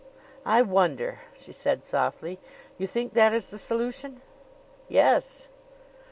"I wonder!" she said softly. "You think that is the solution?" "Yes."